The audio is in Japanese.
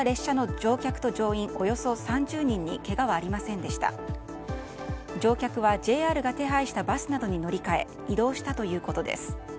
乗客は、ＪＲが手配したバスなどに乗り換え移動したということです。